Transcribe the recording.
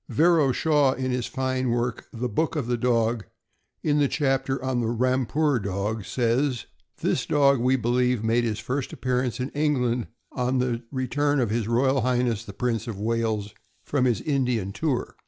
Vero Shaw, in his fine work "The Book of the Dog," in the chapter on the "Rampur Dog," says: This dog, we believe, made his first appearance in England on the return of H. R. H. the Prince of Wales from his Indian tour.